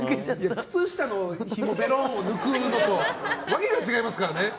靴下のひもをベローンと抜くのと訳が違いますからね！